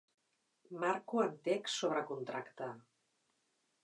Marco en text sobre contracte.